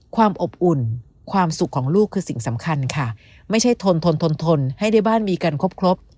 ความอบอุ่นความสุขของลูกคือสิ่งสำคัญค่ะไม่ใช่ทนทนทนทนให้ได้บ้านมีกันครบครบ